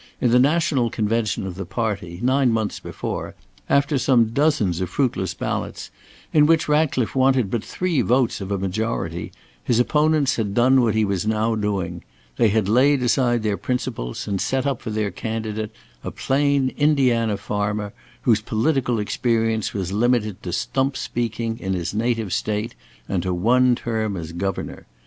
In the national convention of the party, nine months before, after some dozens of fruitless ballots in which Ratcliffe wanted but three votes of a majority, his opponents had done what he was now doing; they had laid aside their principles and set up for their candidate a plain Indiana farmer, whose political experience was limited to stump speaking in his native State, and to one term as Governor.